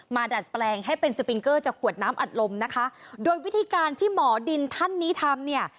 ดัดแปลงให้เป็นสปิงเกอร์จากขวดน้ำอัดลมนะคะโดยวิธีการที่หมอดินท่านนี้ทำเนี่ย